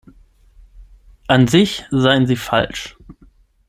An sich seien sie falsch.